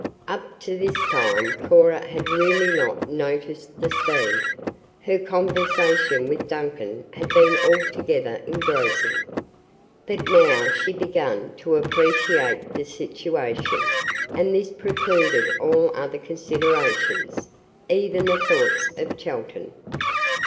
Up to this time Cora had really not noticed the speed. Her conversation with Duncan had been altogether engrossing. But now she began to appreciate the situation, and this precluded all other considerations, even the thoughts of Chelton.